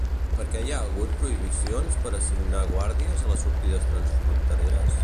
Per què hi ha hagut prohibicions per assignar guàrdies a les sortides transfrontereres?